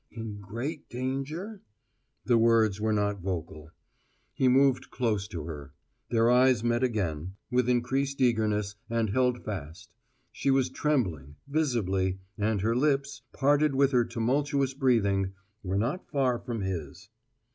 "In great danger?" The words were not vocal. He moved close to her; their eyes met again, with increased eagerness, and held fast; she was trembling, visibly; and her lips parted with her tumultuous breathing were not far from his.